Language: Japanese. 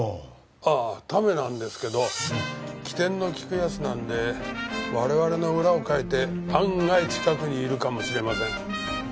ああ為なんですけど機転の利くやつなんで我々の裏をかいて案外近くにいるかもしれません。